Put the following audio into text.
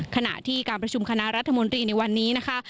ขณะที่การประชุมคณะรัฐมนตรีในวันนี้นะคะ